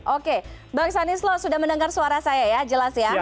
oke bang sanislo sudah mendengar suara saya ya jelas ya